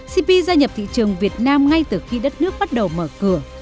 cp gia nhập thị trường việt nam ngay từ khi đất nước bắt đầu mở cửa